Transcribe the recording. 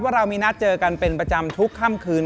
เรามีนัดเจอกันเป็นประจำทุกค่ำคืน